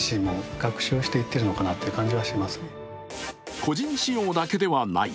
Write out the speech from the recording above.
個人使用だけではない。